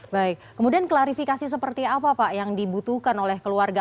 baik kemudian klarifikasi seperti apa pak yang dibutuhkan oleh keluarga